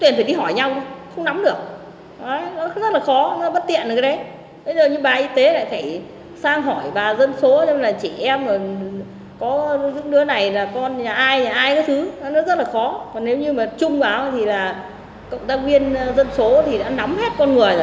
nếu như mà trung báo thì là cộng tác viên dân số thì đã nắm hết con người